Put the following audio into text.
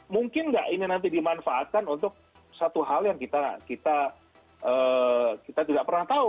mungkin nggak ini nanti dimanfaatkan untuk satu hal yang kita tidak pernah tahu